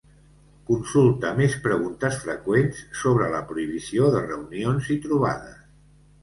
Consulta més preguntes freqüents sobre la prohibició de reunions i trobades.